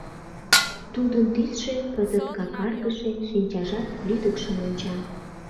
Тудын тӱсшӧ кызыт какаргыше, шинчажат лӱдыкшын онча.